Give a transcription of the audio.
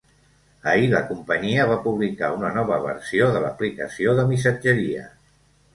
Ahir la companyia va publicar una nova versió de l’aplicació de missatgeria.